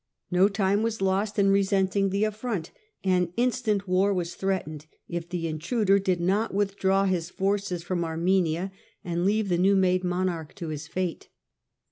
No time was lost in resenting the affront, and instant war was threatened if the intruder did not withdraw his forces from Armenia, and leave the new made monarch to his fate.